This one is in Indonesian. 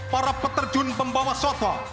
para peterjun pembawa swatwa